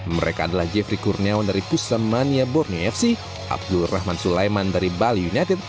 mereka adalah jeffrey kurniawan dari pusamania borneo fc abdul rahman sulaiman dari bali united